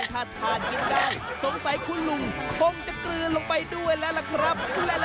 ถ้าทานกินได้สงสัยคุณลุงคงจะกลืนลงไปด้วยแล้วล่ะครับ